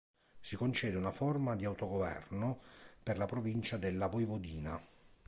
Si concede una forma di autogoverno per la provincia della Voivodina.